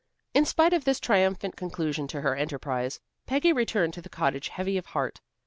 In spite of this triumphant conclusion to her enterprise, Peggy returned to the cottage heavy of heart.